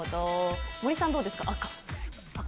森さん、どうですか、赤。